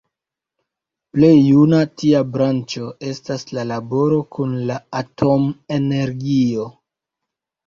Plej juna tia branĉo estas la laboro kun la atom-energio.